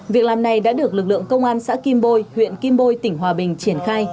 việc làm này đã được lực lượng công an xã kim bôi huyện kim bôi tỉnh hòa bình triển khai